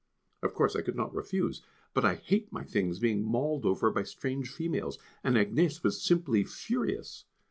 Of course I could not refuse, but I hate my things being mauled over by strange females, and Agnès was simply furious.